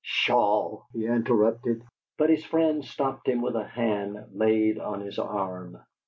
"Pshaw!" he interrupted; but his friend stopped him with a hand laid on his arm.